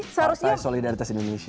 partai solidaritas indonesia